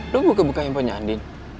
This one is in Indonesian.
lu buka buka handphonenya andi